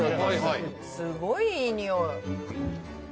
すごいいい匂い。